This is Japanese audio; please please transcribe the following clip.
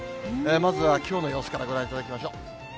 まずは、きょうの様子からご覧いただきましょう。